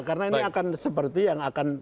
karena ini akan seperti yang akan